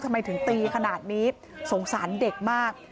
ทำไมถึงตีขนาดนี้สงสารเด็กมาก